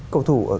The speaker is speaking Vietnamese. cầu thủ trẻ